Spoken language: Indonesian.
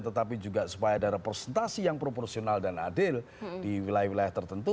tetapi juga supaya ada representasi yang proporsional dan adil di wilayah wilayah tertentu